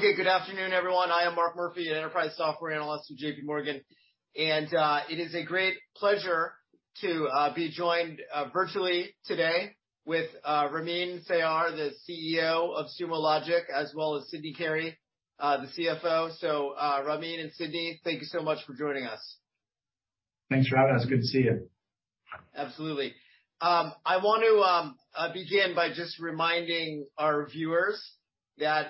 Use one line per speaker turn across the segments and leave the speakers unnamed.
Okay. Good afternoon, everyone. I am Mark Murphy, an Enterprise Software Analyst at JPMorgan. It is a great pleasure to be joined virtually today with Ramin Sayar, the CEO of Sumo Logic, as well as Sydney Carey, the CFO. Ramin and Sydney, thank you so much for joining us.
Thanks for having us. Good to see you.
Absolutely. I want to begin by just reminding our viewers that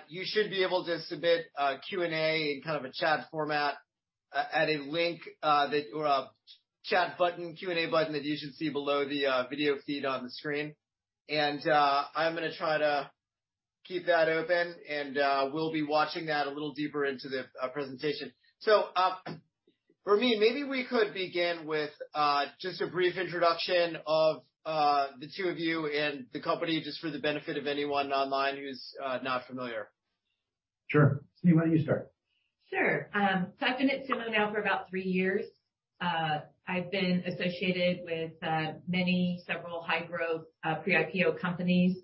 you should be able to submit a Q&A in a chat format at a link or a chat button, Q&A button that you should see below the video feed on the screen. I'm going to try to keep that open, and we'll be watching that a little deeper into the presentation. Ramin, maybe we could begin with just a brief introduction of the two of you and the company, just for the benefit of anyone online who's not familiar.
Sure. Sydney, why don't you start?
Sure. I've been at Sumo now for about three years. I've been associated with many, several high-growth pre-IPO companies.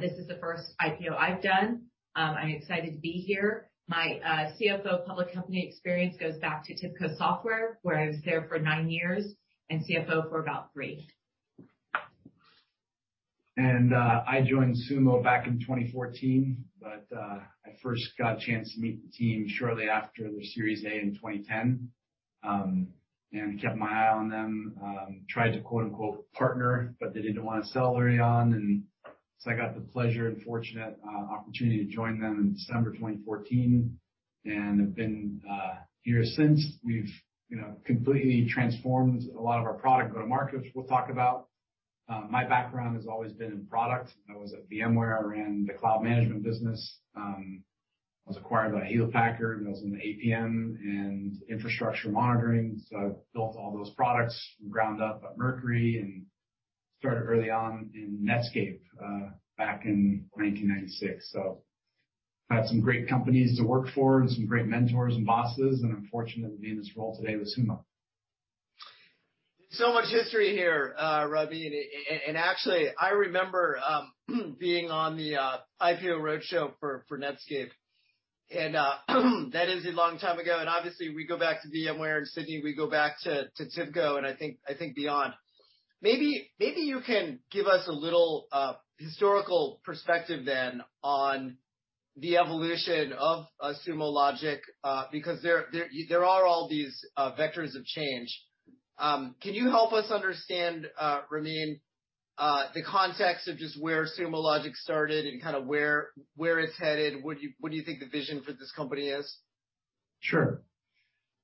This is the first IPO I've done. I'm excited to be here. My CFO public company experience goes back to TIBCO Software, where I was there for nine years and CFO for about three.
I joined Sumo back in 2014, but I first got a chance to meet the team shortly after the Series A in 2010. Kept my eye on them, tried to quote-unquote "partner," but they didn't want to sell early on. I got the pleasure and fortunate opportunity to join them in December 2014 and have been here since. We've completely transformed a lot of our product go-to-markets, we'll talk about. My background has always been in product. I was at VMware. I ran the cloud management business. I was acquired by Hewlett Packard, was in APM and infrastructure monitoring. I've built all those products from ground up at Mercury and started early on in Netscape back in 1996. Had some great companies to work for and some great mentors and bosses, and I'm fortunate to be in this role today with Sumo.
Much history here, Ramin. Actually, I remember being on the IPO roadshow for Netscape, and that is a long time ago. Obviously, we go back to VMware and Sydney, we go back to TIBCO and I think beyond. Maybe you can give us a little historical perspective then on the evolution of Sumo Logic, because there are all these vectors of change. Can you help us understand, Ramin, the context of just where Sumo Logic started and where it's headed? What do you think the vision for this company is?
Sure.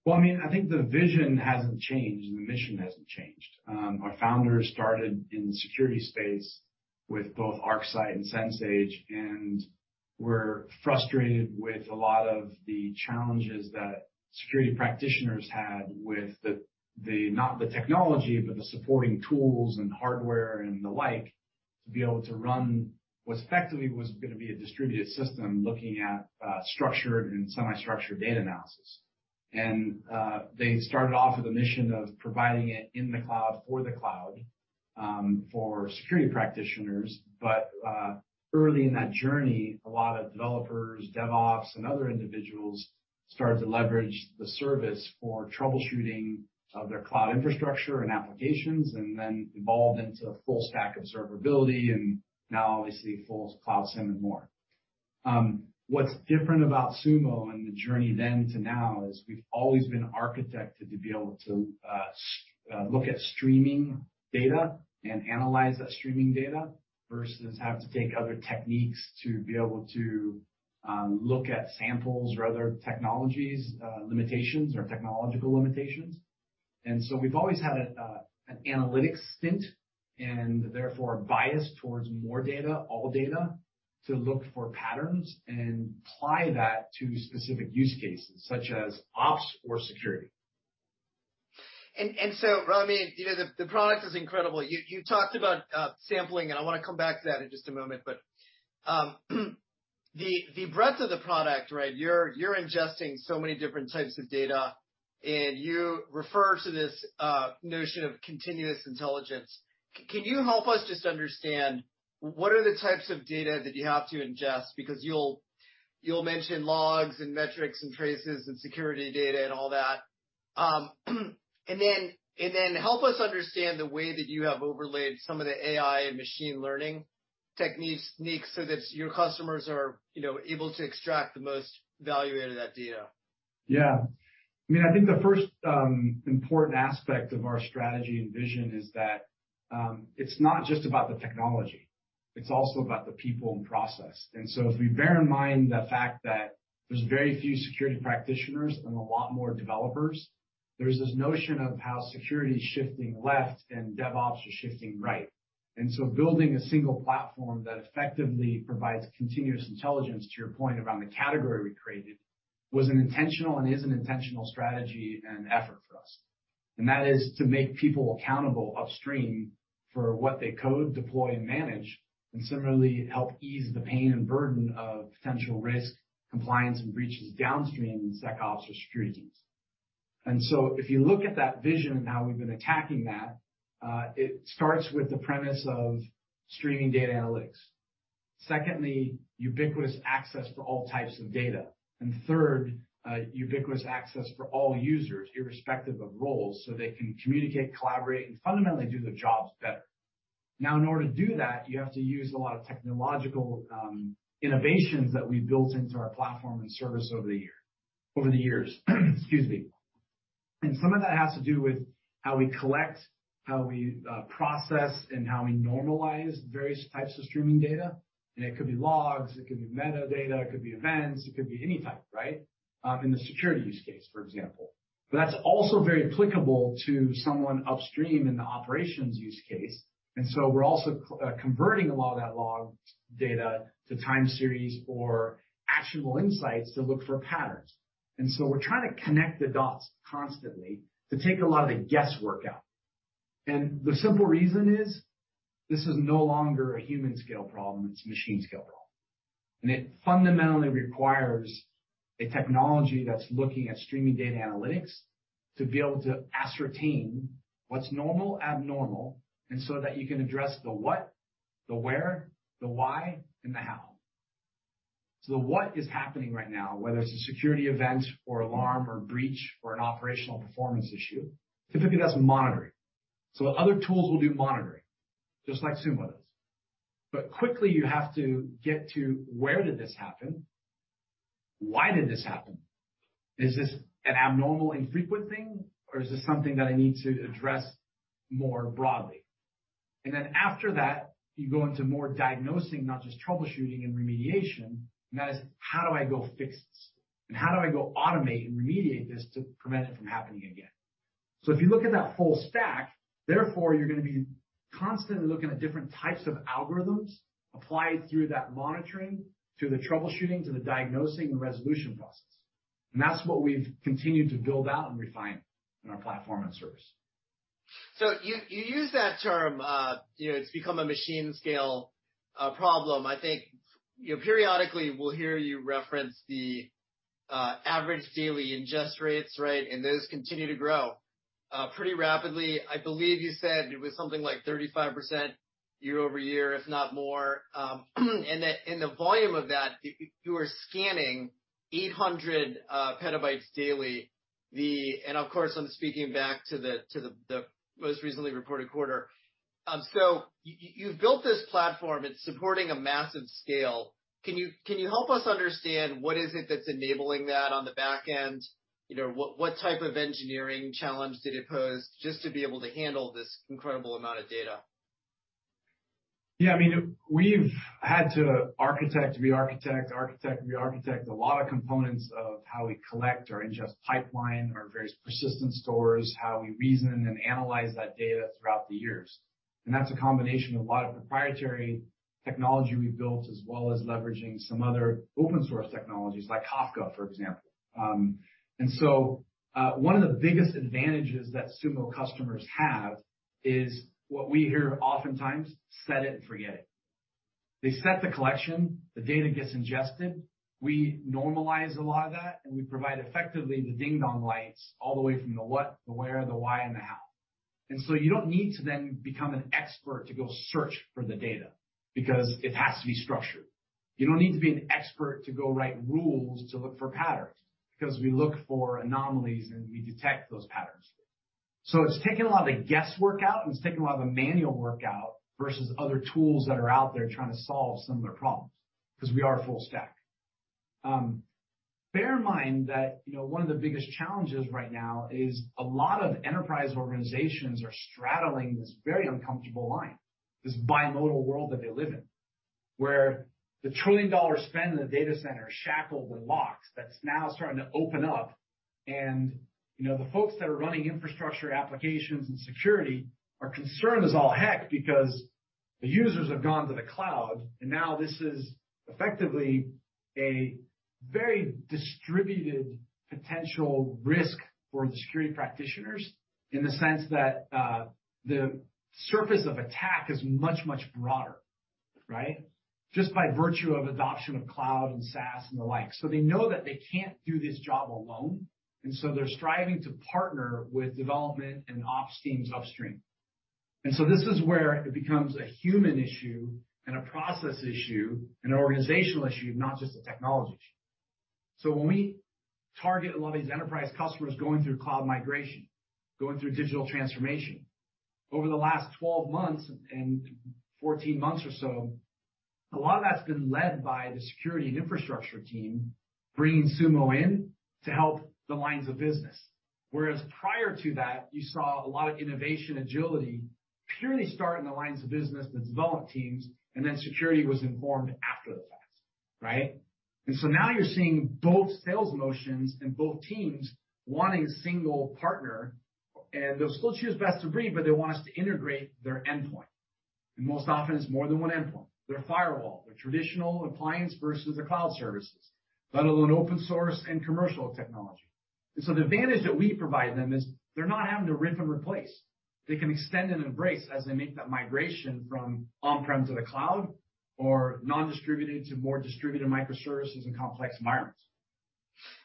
Well, I think the vision hasn't changed and the mission hasn't changed. Our founders started in the security space with both ArcSight and SenSage, and were frustrated with a lot of the challenges that security practitioners had with not the technology, but the supporting tools and hardware and the like, to be able to run what effectively was going to be a distributed system looking at structured and semi-structured data analysis. They started off with a mission of providing it in the cloud for the cloud for security practitioners. Early in that journey, a lot of developers, DevOps, and other individuals started to leverage the service for troubleshooting of their cloud infrastructure and applications, and then evolved into full-stack observability and now obviously full Cloud SIEM and more. What's different about Sumo and the journey then to now is we've always been architected to be able to look at streaming data and analyze that streaming data, versus have to take other techniques to be able to look at samples or other technologies' limitations or technological limitations. We've always had an analytics stint and therefore a bias towards more data, all data, to look for patterns and apply that to specific use cases such as ops or security.
Ramin, the product is incredible. You talked about sampling, and I want to come back to that in just a moment. The breadth of the product, you're ingesting so many different types of data, and you refer to this notion of continuous intelligence. Can you help us just understand what are the types of data that you have to ingest? Because you'll mention logs and metrics and traces and security data and all that. Then help us understand the way that you have overlaid some of the AI and machine learning techniques so that your customers are able to extract the most value out of that data.
Yeah. I think the first important aspect of our strategy and vision is that it's not just about the technology. It's also about the people and process. If we bear in mind the fact that there's very few security practitioners and a lot more developers, there's this notion of how security is shifting left and DevOps is shifting right. Building a single platform that effectively provides continuous intelligence, to your point around the category we created, was an intentional and is an intentional strategy and effort for us. That is to make people accountable upstream for what they code, deploy, and manage, and similarly help ease the pain and burden of potential risk, compliance, and breaches downstream in SecOps or strategies. If you look at that vision and how we've been attacking that, it starts with the premise of streaming data analytics. Secondly, ubiquitous access to all types of data. Third, ubiquitous access for all users, irrespective of roles, so they can communicate, collaborate, and fundamentally do their jobs better. Now, in order to do that, you have to use a lot of technological innovations that we've built into our platform and service over the years. Excuse me. Some of that has to do with how we collect, how we process, and how we normalize various types of streaming data. It could be logs, it could be metadata, it could be events, it could be any type, right? In the security use case, for example. That's also very applicable to someone upstream in the operations use case. We're also converting a lot of that log data to time series or actionable insights to look for patterns. We're trying to connect the dots constantly to take a lot of the guesswork out. The simple reason is, this is no longer a human scale problem, it's a machine scale problem. It fundamentally requires a technology that's looking at streaming data analytics to be able to ascertain what's normal, abnormal, and so that you can address the what, the where, the why, and the how. The what is happening right now, whether it's a security event or alarm or breach or an operational performance issue, typically, that's monitoring. Other tools will do monitoring, just like Sumo does. Quickly you have to get to where did this happen? Why did this happen? Is this an abnormal, infrequent thing, or is this something that I need to address more broadly? Then after that, you go into more diagnosing, not just troubleshooting and remediation, and that is, how do I go fix this? How do I go automate and remediate this to prevent it from happening again? If you look at that full stack, therefore, you're going to be constantly looking at different types of algorithms applied through that monitoring, through the troubleshooting, to the diagnosing and resolution process. That's what we've continued to build out and refine in our platform and service.
You use that term, it's become a machine scale problem. I think periodically we'll hear you reference the average daily ingest rates, right? Those continue to grow pretty rapidly. I believe you said it was something like 35% year-over-year, if not more. The volume of that, you are scanning 800 PB daily. Of course, I'm speaking back to the most recently reported quarter. You've built this platform, it's supporting a massive scale. Can you help us understand what is it that's enabling that on the back end? What type of engineering challenge did it pose just to be able to handle this incredible amount of data?
We've had to architect, re-architect, architect, re-architect a lot of components of how we collect our ingest pipeline, our various persistent stores, how we reason and analyze that data throughout the years. That's a combination of a lot of proprietary technology we've built, as well as leveraging some other open source technologies, like Kafka, for example. One of the biggest advantages that Sumo customers have is what we hear oftentimes, set it and forget it. They set the collection, the data gets ingested, we normalize a lot of that, and we provide effectively the ding-dong lights all the way from the what, the where, the why, and the how. You don't need to then become an expert to go search for the data, because it has to be structured. You don't need to be an expert to go write rules to look for patterns, because we look for anomalies, and we detect those patterns. It's taken a lot of the guesswork out, and it's taken a lot of the manual work out, versus other tools that are out there trying to solve similar problems, because we are full stack. Bear in mind that one of the biggest challenges right now is a lot of enterprise organizations are straddling this very uncomfortable line, this bimodal world that they live in, where the trillion dollar spend in the data center is shackled with locks that's now starting to open up. The folks that are running infrastructure applications and security are concerned as all heck because the users have gone to the cloud, and now this is effectively a very distributed potential risk for the security practitioners in the sense that the surface of attack is much, much broader, right? Just by virtue of adoption of cloud and SaaS and the like. They know that they can't do this job alone, and so they're striving to partner with development and ops teams upstream. This is where it becomes a human issue and a process issue and an organizational issue, not just a technology issue. When we target a lot of these enterprise customers going through cloud migration, going through digital transformation, over the last 12 months and 14 months or so, a lot of that's been led by the security and infrastructure team bringing Sumo in to help the lines of business. Whereas prior to that, you saw a lot of innovation agility purely start in the lines of business with development teams, then security was informed after the fact, right? Now you're seeing both sales motions and both teams wanting a single partner, and they'll still choose best of breed, but they want us to integrate their endpoint. Most often it's more than one endpoint. Their firewall, their traditional appliance versus the cloud services, let alone open source and commercial technology. The advantage that we provide them is they're not having to rip and replace. They can extend and embrace as they make that migration from on-prem to the cloud or non-distributed to more distributed microservices and complex environments.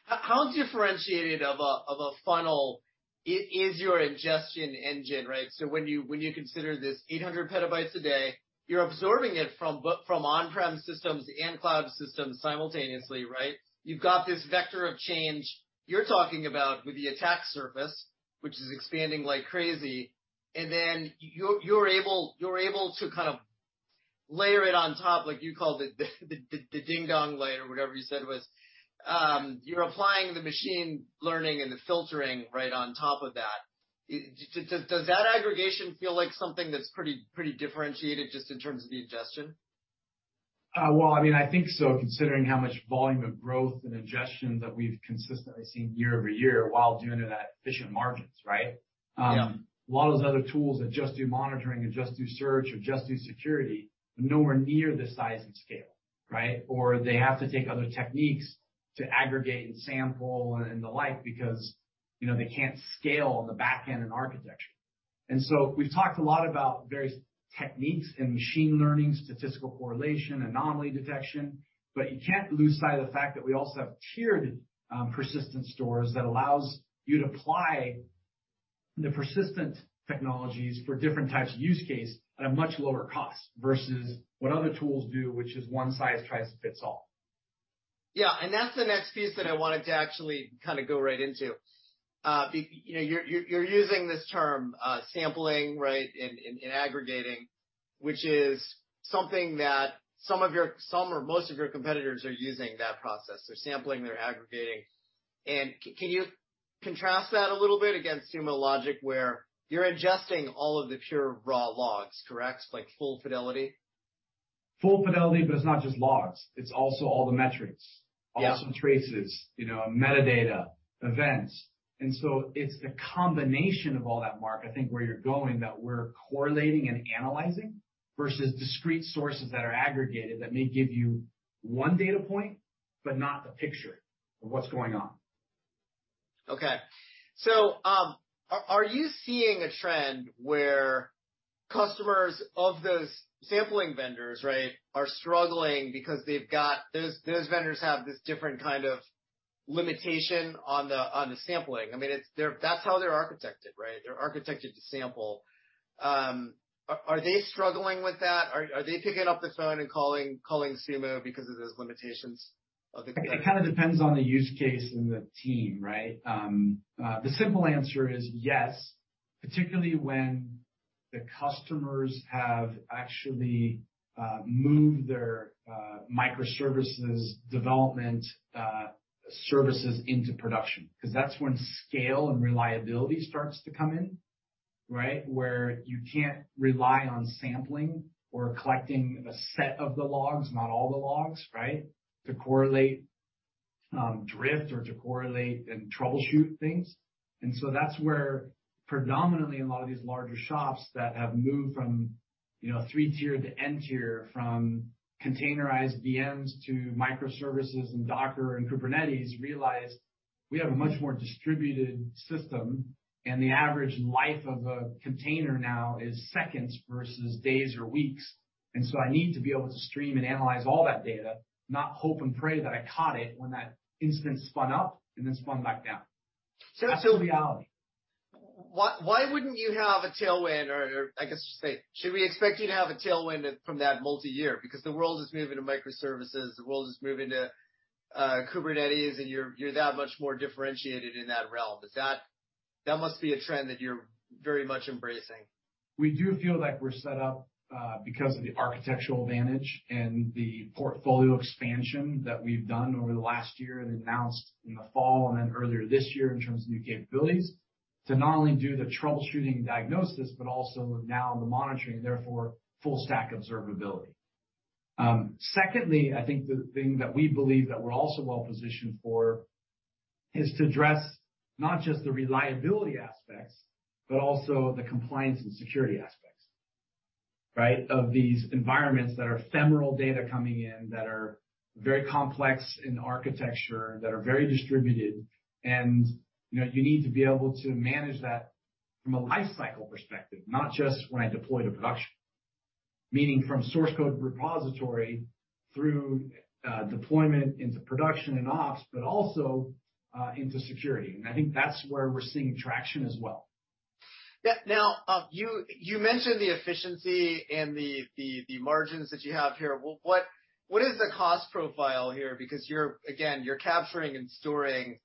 How differentiated of a funnel is your ingestion engine, right? When you consider this 800 PB a day, you're absorbing it from on-prem systems and cloud systems simultaneously, right? You've got this vector of change you're talking about with the attack surface, which is expanding like crazy, and then you're able to kind of layer it on top, like you called it the ding-dong layer or whatever you said it was. You're applying the machine learning and the filtering right on top of that. Does that aggregation feel like something that's pretty differentiated just in terms of the ingestion?
I think so, considering how much volume of growth and ingestion that we've consistently seen year-over-year while doing it at efficient margins, right?
Yeah.
A lot of those other tools that just do monitoring or just do search or just do security are nowhere near the size and scale, right? They have to take other techniques to aggregate and sample and the like because they can't scale the back end and architecture. We've talked a lot about various techniques and machine learning, statistical correlation, anomaly detection, but you can't lose sight of the fact that we also have tiered persistent stores that allows you to apply the persistent technologies for different types of use case at a much lower cost versus what other tools do, which is one size fits all.
That's the next piece that I wanted to actually kind of go right into. You're using this term sampling, right, and aggregating, which is something that some or most of your competitors are using that process. They're sampling, they're aggregating. Can you contrast that a little bit against Sumo Logic where you're ingesting all of the pure raw logs, correct? Like full fidelity.
Full fidelity, but it's not just logs, it's also all the metrics.
Yeah.
Awesome traces, metadata, events. It's the combination of all that, Mark, I think where you're going, that we're correlating and analyzing versus discrete sources that are aggregated that may give you one data point but not the picture of what's going on.
Are you seeing a trend where customers of those sampling vendors, right, are struggling because those vendors have this different kind of limitation on the sampling? I mean, that's how they're architected, right? They're architected to sample. Are they struggling with that? Are they picking up the phone and calling Sumo because of those limitations of the vendors?
It kind of depends on the use case and the team, right? The simple answer is yes, particularly when the customers have actually moved their microservices development services into production because that's when scale and reliability starts to come in, right? Where you can't rely on sampling or collecting a set of the logs, not all the logs, right, to correlate drift or to correlate and troubleshoot things. That's where predominantly a lot of these larger shops that have moved from three-tier to n-tier, from containerized VMs to microservices and Docker and Kubernetes realize we have a much more distributed system, and the average life of a container now is seconds versus days or weeks. I need to be able to stream and analyze all that data, not hope and pray that I caught it when that instance spun up and then spun back down. That's the reality.
Why wouldn't you have a tailwind, or I guess I should say, should we expect you to have a tailwind from that multi-year? The world is moving to microservices, the world is moving to Kubernetes, and you're that much more differentiated in that realm. That must be a trend that you're very much embracing.
We do feel like we're set up because of the architectural advantage and the portfolio expansion that we've done over the last year and announced in the fall and then earlier this year in terms of new capabilities, to not only do the troubleshooting diagnosis, but also now the monitoring, therefore full stack observability. Secondly, I think the thing that we believe that we're also well-positioned for is to address not just the reliability aspects but also the compliance and security aspects, right? Of these environments that are ephemeral data coming in, that are very complex in architecture, that are very distributed, and you need to be able to manage that from a lifecycle perspective, not just when I deploy to production. Meaning from source code repository through deployment into production and ops, but also into security. I think that's where we're seeing traction as well.
You mentioned the efficiency and the margins that you have here. What is the cost profile here? Again, you're capturing and storing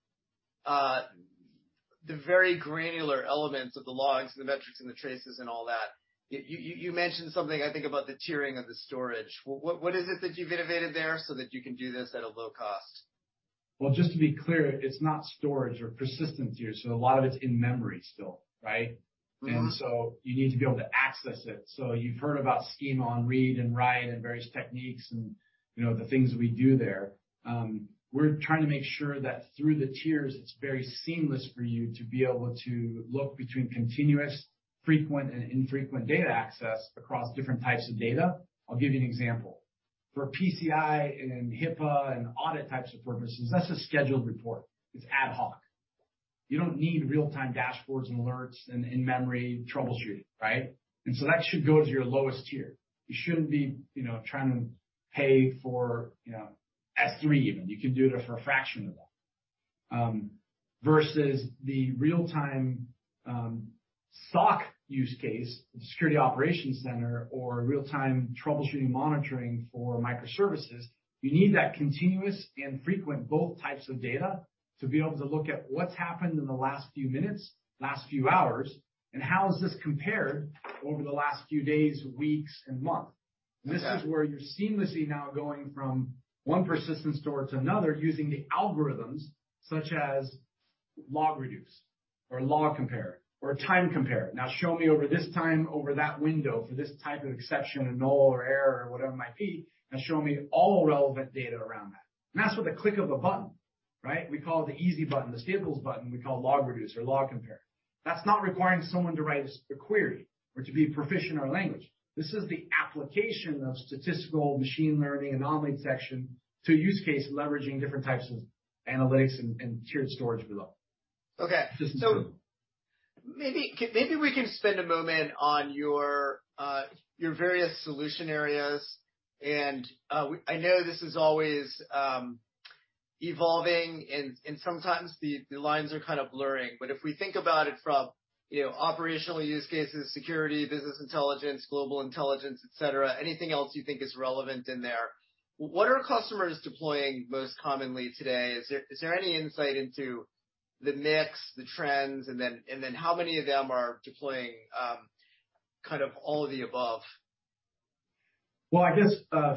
the very granular elements of the logs and the metrics and the traces and all that. You mentioned something, I think, about the tiering of the storage. What is it that you've innovated there so that you can do this at a low cost?
Well, just to be clear, it's not storage or persistent tier, so a lot of it's in memory still, right? You need to be able to access it. You've heard about schema on read and write and various techniques and the things we do there. We're trying to make sure that through the tiers, it's very seamless for you to be able to look between continuous, frequent, and infrequent data access across different types of data. I'll give you an example. For PCI and HIPAA and audit types of purposes, that's a scheduled report. It's ad hoc. You don't need real-time dashboards and alerts and in-memory troubleshooting. Right? That should go to your lowest tier. You shouldn't be trying to pay for S3 even. You can do it for a fraction of that. Versus the real-time SOC use case, the security operations center or real-time troubleshooting monitoring for microservices, you need that continuous and frequent both types of data to be able to look at what's happened in the last few minutes, last few hours, and how is this compared over the last few days, weeks, and months. This is where you're seamlessly now going from one persistent store to another using the algorithms such as LogReduce or LogCompare or TimeCompare. Now show me over this time, over that window for this type of exception, a null or error or whatever it might be, and show me all relevant data around that. That's with a click of a button. We call it the easy button, the Staples button, we call LogReduce or LogCompare. That's not requiring someone to write a query or to be proficient in our language. This is the application of statistical machine learning anomaly detection to a use case leveraging different types of analytics and tiered storage below.
Okay. Maybe we can spend a moment on your various solution areas. I know this is always evolving, and sometimes the lines are kind of blurring, but if we think about it from operational use cases, security, business intelligence, global intelligence, et cetera, anything else you think is relevant in there, what are customers deploying most commonly today? Is there any insight into the mix, the trends, and then how many of them are deploying kind of all of the above?
Well, I guess,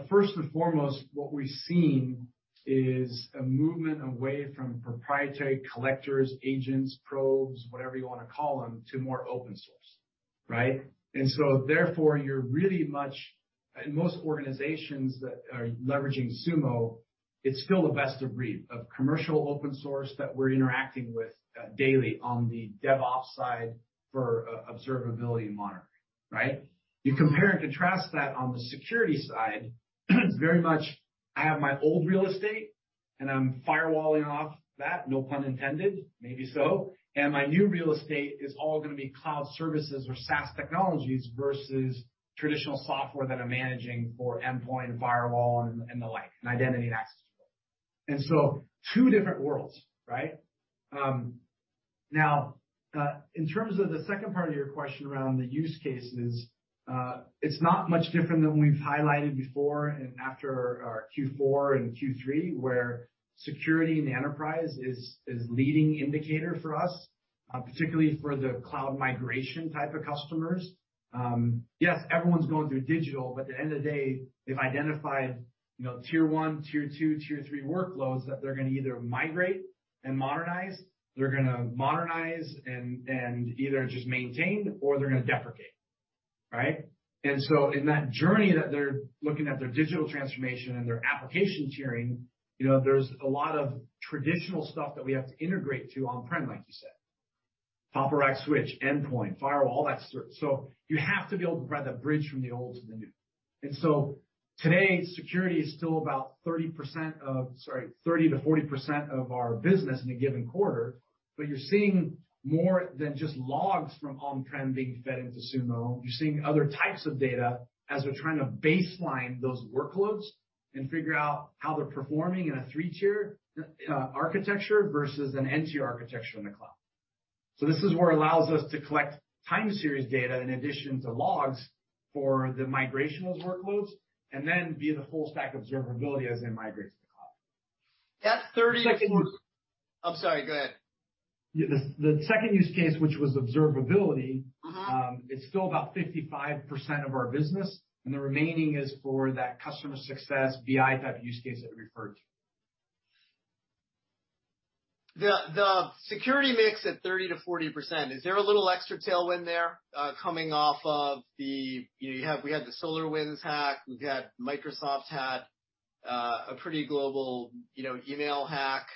first and foremost, what we've seen is a movement away from proprietary collectors, agents, probes, whatever you want to call them, to more open source. Right? Therefore, you're really in most organizations that are leveraging Sumo Logic, it's still the best of breed of commercial open source that we're interacting with daily on the DevOps side for observability and monitoring. Right? You compare and contrast that on the security side, it's very much I have my old real estate, and I'm firewalling off that, no pun intended, maybe so. My new real estate is all going to be cloud services or SaaS technologies versus traditional software that I'm managing for endpoint and firewall and the like, and identity and access control. Two different worlds. In terms of the second part of your question around the use cases, it's not much different than we've highlighted before and after our Q4 and Q3, where security and enterprise is leading indicator for us, particularly for the cloud migration type of customers. Everyone's going through digital, but at the end of the day, they've identified Tier 1, Tier 2, Tier 3 workloads that they're going to either migrate and modernize, they're going to modernize and either just maintain or they're going to deprecate. Right. In that journey that they're looking at their digital transformation and their application tiering, there's a lot of traditional stuff that we have to integrate to on-prem, like you said. Top of rack switch, endpoint, firewall, all that stuff. You have to be able to run that bridge from the old to the new. Today, security is still about 30%-40% of our business in a given quarter, but you're seeing more than just logs from on-prem being fed into Sumo. You're seeing other types of data as they're trying to baseline those workloads and figure out how they're performing in a three-tier architecture versus an n-tier architecture in the cloud. This is where it allows us to collect time series data in addition to logs for the migrational workloads, and then via the full stack observability as it migrates to the cloud.
That 30-
The second-
I'm sorry, go ahead.
The second use case, which was observability- It's still about 55% of our business, and the remaining is for that customer success, BI type use case that we referred to.
The security mix at 30%-40%. We have the SolarWinds hack. We've got Microsoft's hack, a pretty global email hack.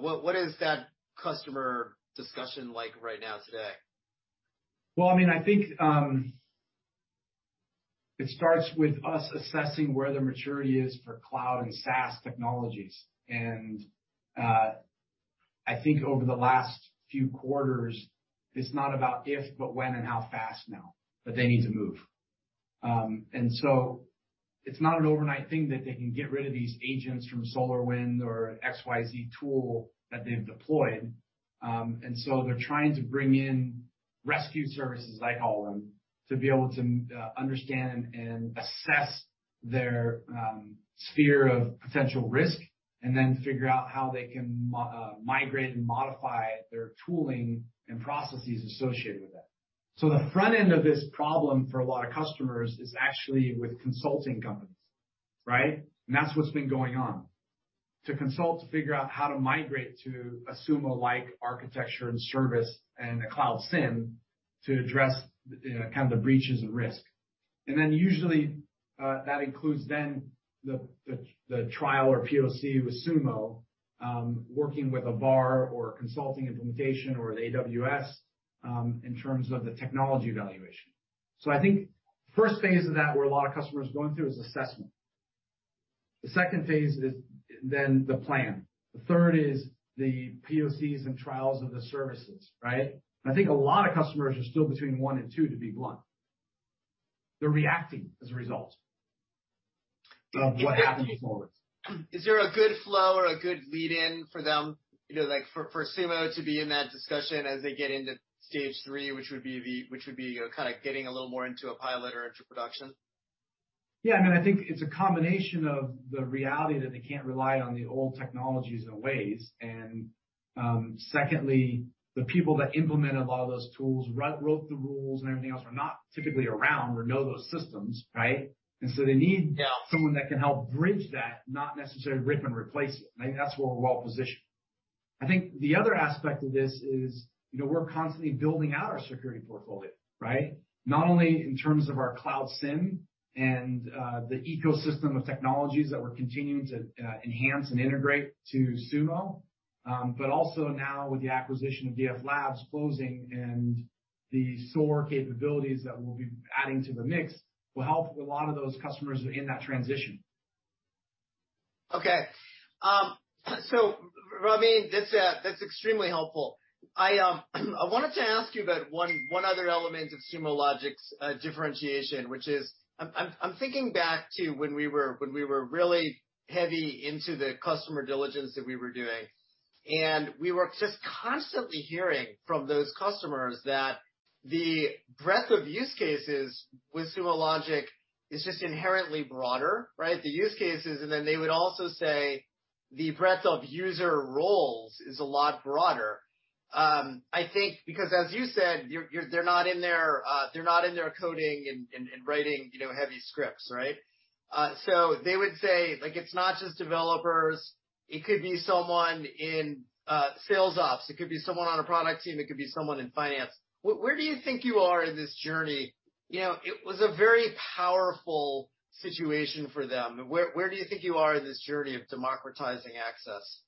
What is that customer discussion like right now today?
Well, I think it starts with us assessing where the maturity is for cloud and SaaS technologies. I think over the last few quarters, it's not about if, but when and how fast now that they need to move. It's not an overnight thing that they can get rid of these agents from SolarWinds or XYZ tool that they've deployed. They're trying to bring in rescue services, I call them, to be able to understand and assess their sphere of potential risk and then figure out how they can migrate and modify their tooling and processes associated with that. The front end of this problem for a lot of customers is actually with consulting companies. Right? That's what's been going on. To consult to figure out how to migrate to a Sumo-like architecture and service and a Cloud SIEM to address the kind of breaches of risk. Usually, that includes then the trial or POC with Sumo, working with a VAR or consulting implementation or an AWS in terms of the technology evaluation. I think first phase of that where a lot of customers are going through is assessment. The second phase is then the plan. The third is the POCs and trials of the services, right. I think a lot of customers are still between one and two, to be blunt. They're reacting as a result of what happens forward.
Is there a good flow or a good lead-in for them, like for Sumo to be in that discussion as they get into Stage 3, which would be getting a little more into a pilot or into production?
Yeah. I think it's a combination of the reality that they can't rely on the old technologies and ways, and secondly, the people that implement a lot of those tools, wrote the rules, and everything else, are not typically around or know those systems, right?
Yeah
someone that can help bridge that, not necessarily rip and replace it. I think that's where we're well-positioned. I think the other aspect of this is, we're constantly building out our security portfolio, right? Not only in terms of our Cloud SIEM and the ecosystem of technologies that we're continuing to enhance and integrate to Sumo, but also now with the acquisition of DFLabs closing and the SOAR capabilities that we'll be adding to the mix, will help a lot of those customers in that transition.
Okay. Ramin, that's extremely helpful. I wanted to ask you about one other element of Sumo Logic's differentiation, which is, I'm thinking back to when we were really heavy into the customer diligence that we were doing, we were just constantly hearing from those customers that the breadth of use cases with Sumo Logic is just inherently broader, right? The use cases, then they would also say the breadth of user roles is a lot broader. I think because as you said, they're not in there coding and writing heavy scripts, right? They would say, it's not just developers. It could be someone in sales ops. It could be someone on a product team. It could be someone in finance. Where do you think you are in this journey? It was a very powerful situation for them. Where do you think you are in this journey of democratizing access?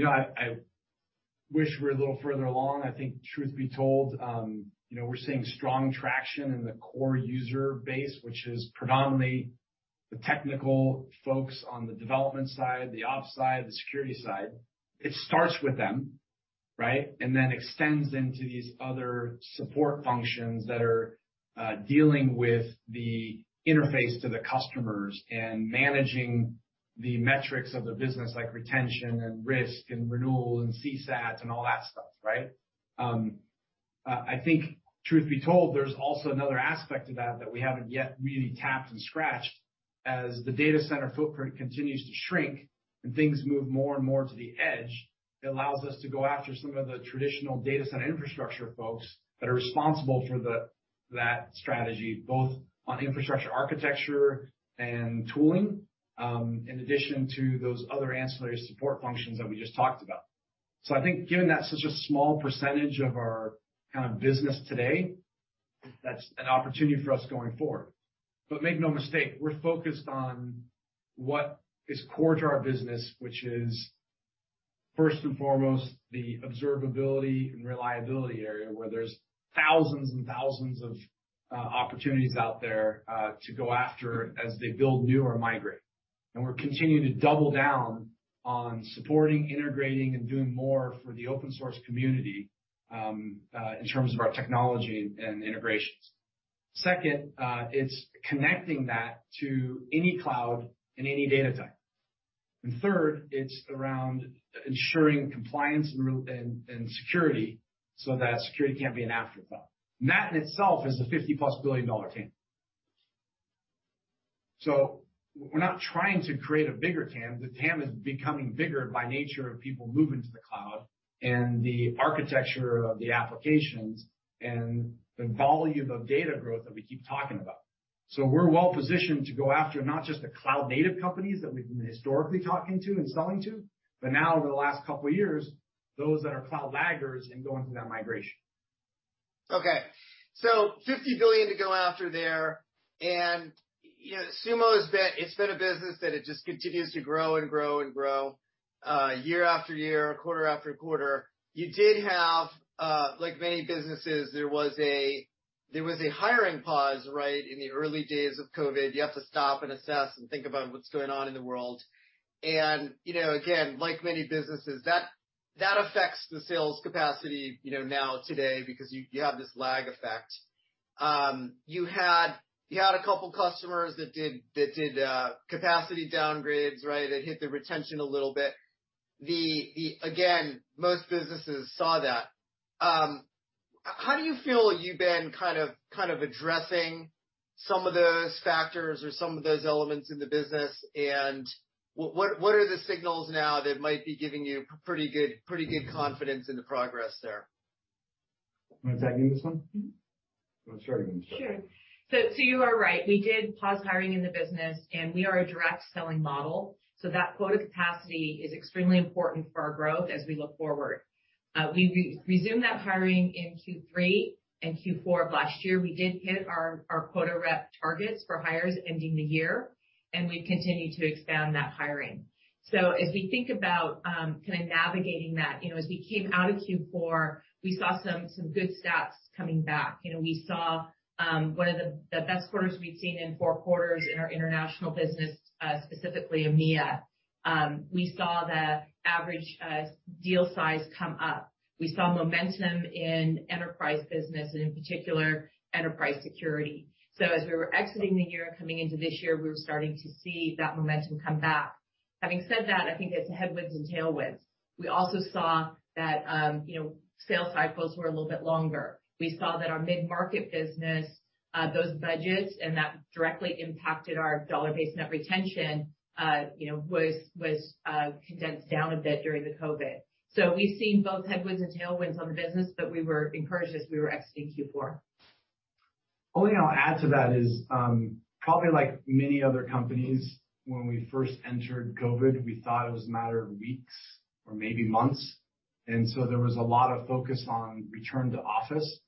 I wish we were a little further along. I think truth be told, we're seeing strong traction in the core user base, which is predominantly the technical folks on the development side, the op side, the security side. It starts with them, right? Then extends into these other support functions that are dealing with the interface to the customers and managing the metrics of the business, like retention and risk and renewal and CSAT and all that stuff, right? I think truth be told, there's also another aspect to that that we haven't yet really tapped and scratched. As the data center footprint continues to shrink and things move more and more to the edge, it allows us to go after some of the traditional data center infrastructure folks that are responsible for that strategy, both on infrastructure, architecture, and tooling, in addition to those other ancillary support functions that we just talked about. I think given that's such a small percentage of our business today, that's an opportunity for us going forward. Make no mistake, we're focused on what is core to our business, which is first and foremost, the observability and reliability area, where there's thousands and thousands of opportunities out there to go after as they build new or migrate. We're continuing to double down on supporting, integrating, and doing more for the open source community, in terms of our technology and integrations. Second, it's connecting that to any cloud and any data type. Third, it's around ensuring compliance and security so that security can't be an afterthought. That in itself is a $50+ billion TAM. We're not trying to create a bigger TAM. The TAM is becoming bigger by nature of people moving to the cloud and the architecture of the applications and the volume of data growth that we keep talking about. We're well-positioned to go after not just the cloud-native companies that we've been historically talking to and selling to, but now over the last couple of years, those that are cloud laggers and going through that migration.
Okay. $50 billion to go after there. Sumo, it's been a business that it just continues to grow and grow and grow, year-after-year, quarter-after-quarter. You did have, like many businesses, there was a hiring pause, right, in the early days of COVID. You have to stop and assess and think about what's going on in the world. Again, like many businesses, that affects the sales capacity now today because you have this lag effect. You had a couple customers that did capacity downgrades, right? It hit the retention a little bit. Again, most businesses saw that. How do you feel you've been addressing some of those factors or some of those elements in the business? What are the signals now that might be giving you pretty good confidence in the progress there?
You want to tag in this one? Well, sure, you can start.
Sure. You are right. We did pause hiring in the business, and we are a direct selling model, so that quota capacity is extremely important for our growth as we look forward. We resumed that hiring in Q3 and Q4 of last year. We did hit our quota rep targets for hires ending the year, and we've continued to expand that hiring. As we think about navigating that, as we came out of Q4, we saw some good stats coming back. We saw one of the best quarters we've seen in four quarters in our international business, specifically EMEA. We saw the average deal size come up. We saw momentum in enterprise business and, in particular, enterprise security. As we were exiting the year and coming into this year, we were starting to see that momentum come back. Having said that, I think it's headwinds and tailwinds. We also saw that sales cycles were a little bit longer. We saw that our mid-market business, those budgets, and that directly impacted our dollar-based net retention, was condensed down a bit during the COVID. We've seen both headwinds and tailwinds on the business, but we were encouraged as we were exiting Q4.
Only thing I'll add to that is, probably like many other companies, when we first entered COVID, we thought it was a matter of weeks or maybe months, and so there was a lot of focus on return to office.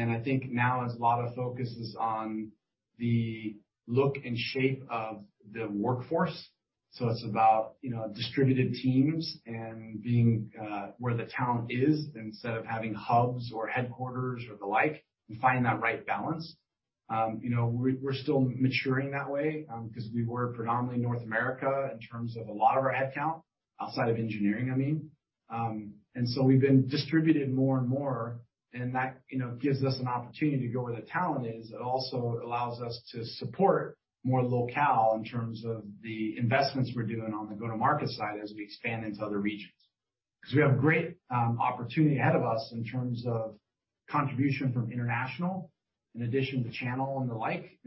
I think now there's a lot of focus is on the look and shape of the workforce. It's about distributed teams and being where the talent is instead of having hubs or headquarters or the like, and find that right balance. We're still maturing that way because we were predominantly North America in terms of a lot of our headcount, outside of engineering, I mean. We've been distributed more and more, and that gives us an opportunity to go where the talent is. It also allows us to support more locale in terms of the investments we're doing on the go-to-market side as we expand into other regions. Because we have great opportunity ahead of us in terms of contribution from international, in addition to channel and the like.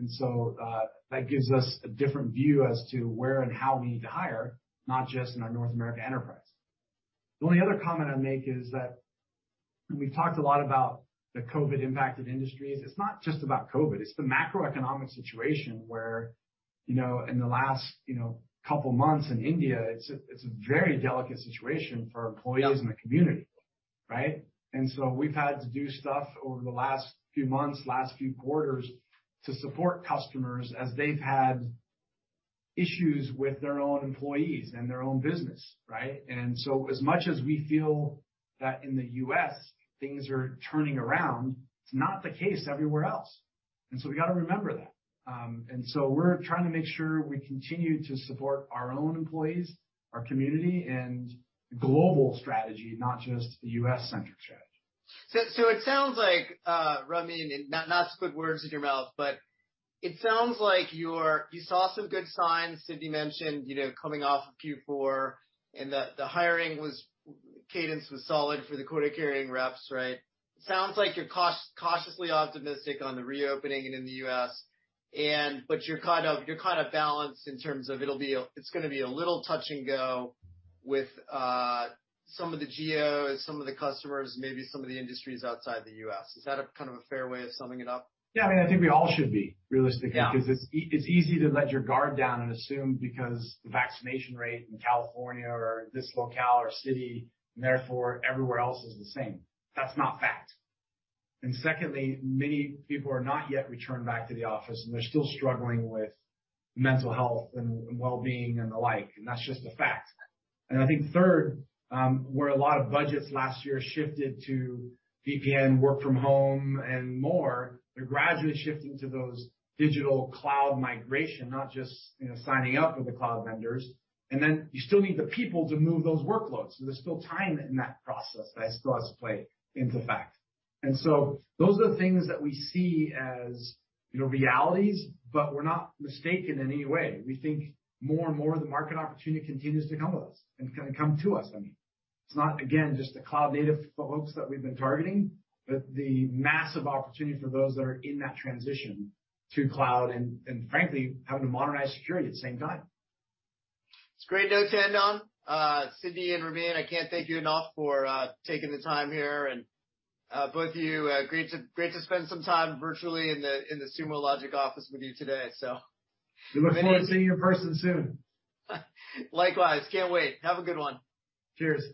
That gives us a different view as to where and how we need to hire, not just in our North American enterprise. The only other comment I'd make is that we've talked a lot about the COVID impact of industries. It's not just about COVID. It's the macroeconomic situation where, in the last couple months in India, it's a very delicate situation for employees and the community, right? We've had to do stuff over the last few months, last few quarters, to support customers as they've had issues with their own employees and their own business, right? As much as we feel that in the U.S. things are turning around, it's not the case everywhere else. We got to remember that. We're trying to make sure we continue to support our own employees, our community, and global strategy, not just the U.S.-centric strategy.
It sounds like, Ramin, and not to put words in your mouth, but it sounds like you saw some good signs, Sydney mentioned, coming off of Q4, and that the hiring cadence was solid for the quota-carrying reps, right? It sounds like you're cautiously optimistic on the reopening in the U.S. You're balanced in terms of it's going to be a little touch and go with some of the geos, some of the customers, maybe some of the industries outside the U.S. Is that a fair way of summing it up?
Yeah, I think we all should be realistic.
Yeah
Because it's easy to let your guard down and assume because the vaccination rate in California or this locale or city, and therefore everywhere else is the same. That's not fact. Secondly, many people are not yet returned back to the office, and they're still struggling with mental health and well-being and the like, and that's just a fact. I think third, where a lot of budgets last year shifted to VPN, work from home, and more, they're gradually shifting to those digital cloud migration, not just signing up with the cloud vendors. You still need the people to move those workloads, so there's still time in that process that I still have to play into fact. Those are the things that we see as realities, but we're not mistaken in any way. We think more and more of the market opportunity continues to come with us and is going to come to us, I mean. It's not, again, just the cloud-native folks that we've been targeting, but the massive opportunity for those that are in that transition to cloud and frankly, having to modernize security at the same time.
It's great note to end on. Sydney and Ramin, I can't thank you enough for taking the time here, and both of you, great to spend some time virtually in the Sumo Logic office with you today.
We look forward to seeing you in person soon.
Likewise. Can't wait. Have a good one.
Cheers.